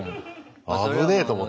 危ねえと思って。